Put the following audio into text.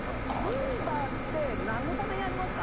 ルンバって何のためにありますか？